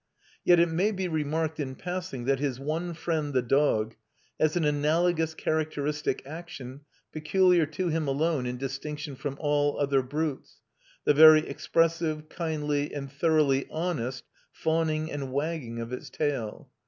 Yet it may be remarked in passing that his one friend the dog has an analogous characteristic action peculiar to him alone in distinction from all other brutes, the very expressive, kindly, and thoroughly honest fawning and wagging of its tail.